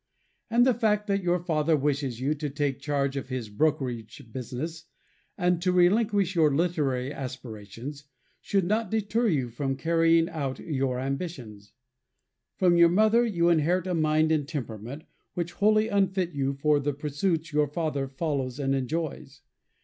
And the fact that your father wishes you to take charge of his brokerage business, and to relinquish your literary aspirations, should not deter you from carrying out your ambitions. Prom your mother you inherit a mind and temperament which wholly unfit you for the pursuits your father follows and enjoys.